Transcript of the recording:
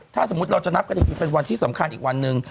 ถ้าเมื่อเราจะนับกี่นิดหนึ่งเป็นวันที่สำคัญอีกวันนึง